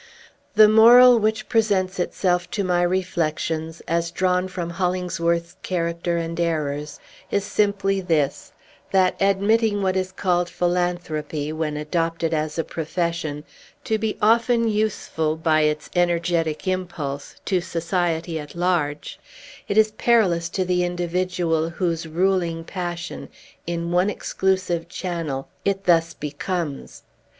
The moral which presents itself to my reflections, as drawn from Hollingsworth's character and errors, is simply this, that, admitting what is called philanthropy, when adopted as a profession, to be often useful by its energetic impulse to society at large, it is perilous to the individual whose ruling passion, in one exclusive channel, it thus becomes.